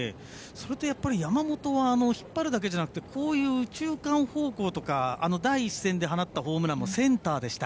山本は引っ張るだけじゃなくてこういう右中間方向とか第１戦で放ったホームランもセンターでした。